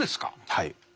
はい。